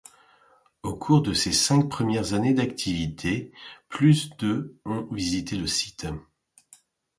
Au cours de ses cinq premières années d’activité, plus de ont visité le site.